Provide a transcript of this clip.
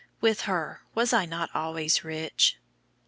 With her was I not always rich?"